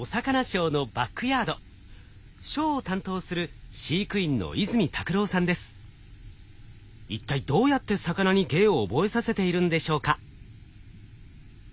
ショーを担当する飼育員の一体どうやって魚に芸を覚えさせているんでしょうか？